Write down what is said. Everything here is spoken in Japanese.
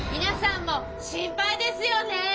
皆さんも心配ですよね！